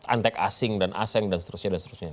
antek asing dan asing dan seterusnya dan seterusnya